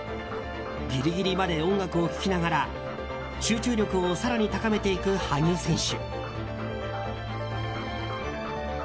ギリギリまで音楽を聴きながら集中力を更に高めていく羽生選手。